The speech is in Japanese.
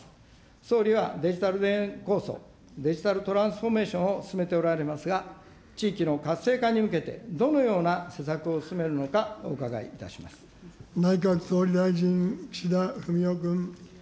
総理はデジタル田園構想・デジタルトランスフォーメーションを進めておられますが、地域の活性化に向けてどのような施策を進める内閣総理大臣、岸田文雄君。